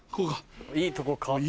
いいとこ買って。